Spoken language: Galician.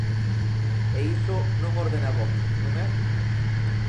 E iso non o ordena Vox, non é?